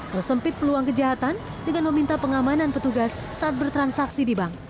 mesempit peluang kejahatan dengan meminta pengamanan petugas saat bertransaksi di bank